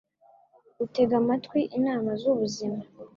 Utega amatwi inama z’ubuzima